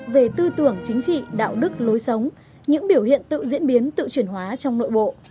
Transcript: về tư tưởng chính trị đạo đức lối sống những biểu hiện tự diễn biến tự chuyển hóa trong nội bộ